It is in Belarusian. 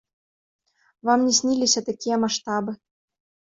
Вам не сніліся такія маштабы.